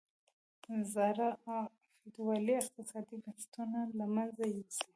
زاړه فیوډالي اقتصادي بنسټونه له منځه یوسي.